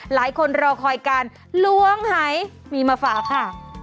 หลายคนรอคอยกันล้วงหายมีมาฝากค่ะ